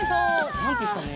ジャンプしたね。